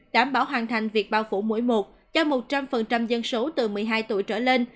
đảm bảo hoàn thành việc bao phủ mỗi một cho một trăm linh dân số từ một mươi hai tuổi trở lên